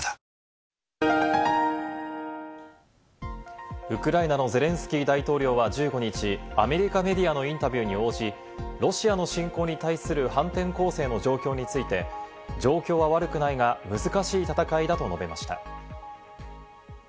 続くウクライナのゼレンスキー大統領は１５日、アメリカメディアのインタビューに応じ、ロシアの侵攻に対する反転攻勢の状況について、状況は悪くないが、難しい戦いだと述べました。